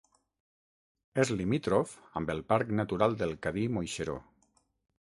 És limítrof amb el Parc Natural del Cadí-Moixeró.